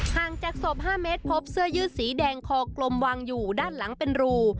ห่างจากศพ๕เมตรพบเสื้อยืดสีแดงคอกลมวางอยู่ด้านหลังเป็นรู